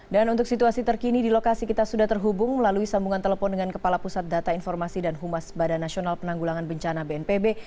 dan untuk situasi terkini di lokasi kita sudah terhubung melalui sambungan telepon dengan kepala pusat data informasi dan humas badan nasional penanggulangan bencana bnpb